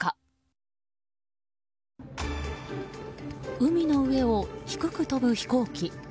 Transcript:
海の上を低く飛ぶ飛行機。